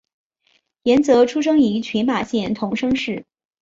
岩泽出生于群马县桐生市。